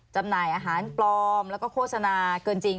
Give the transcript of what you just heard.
จำหน่ายอาหารปลอมแล้วก็โฆษณาเกินจริง